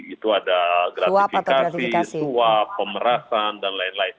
itu ada gratifikasi suap pemerasan dan lain lain